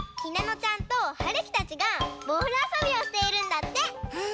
ひなのちゃんとはるきたちがボールあそびをしているんだって。